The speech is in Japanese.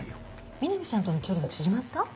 みなみちゃんとの距離は縮まった？